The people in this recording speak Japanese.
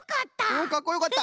うんかっこよかった！